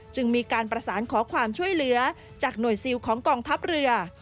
จึงมีการประสานขอความช่วยเหลือจากหน่วยซิลของกองทัพเรือ